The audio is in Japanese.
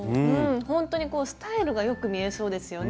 ほんとにこうスタイルがよく見えそうですよね。